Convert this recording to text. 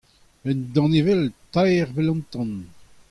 Un danevell taer evel an tan !